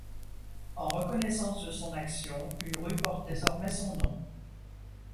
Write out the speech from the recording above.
En reconnaissance de son action, une rue porte désormais son nom.